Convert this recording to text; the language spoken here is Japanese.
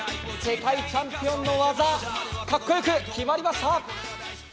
世界チャンピオンの技かっこよく決まりました！